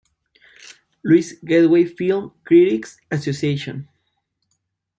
Louis Gateway Film Critics Association.